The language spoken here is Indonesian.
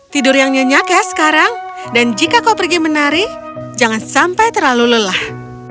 tidur yang nyenyak ya sekarang dan jika kau pergi menari jangan sampai terlalu lelah